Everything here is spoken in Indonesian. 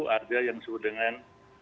ada yang disebut dengan